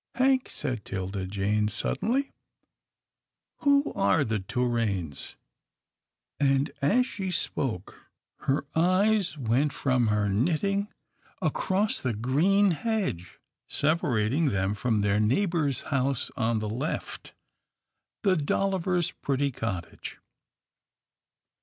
" Hank," said 'Tilda Jane, suddenly, " who are the Torraines?" and, as she spoke, her eyes went from her knitting across the green hedge separating A COTTAGE OF GENTILITY 331 them from their neighbour's house on the left — the DolHvers' pretty cottage.